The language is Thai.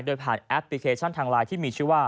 โดยผ่านแอปพลิเคชันทางไลน์ที่มีชื่อว่า